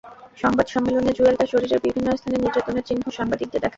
সংবাদ সম্মেলনে জুয়েল তাঁর শরীরের বিভিন্ন স্থানে নির্যাতনের চিহ্ন সাংবাদিকদের দেখান।